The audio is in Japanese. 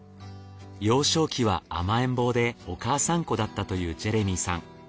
幼少期は甘えん坊でお母さん子だったというジェレミーさん。